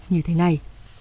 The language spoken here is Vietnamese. như thế này